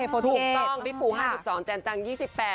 ถูกต้องพี่ปู๕๒แจนจัง๒๘